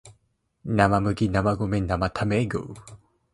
生麦生米生たまご